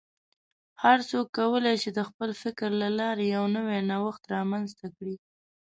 هر څوک کولی شي د خپل فکر له لارې یو نوی نوښت رامنځته کړي.